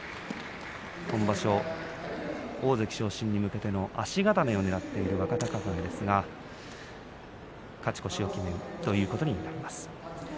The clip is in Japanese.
今場所、大関昇進に向けての足固めをねらっている若隆景ですが勝ち越しを決めるということになります。